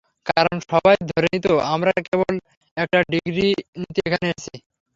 কারণ, সবাই ধরে নিত আমরা কেবল একটা ডিগ্রি নিতে ওখানে গেছি।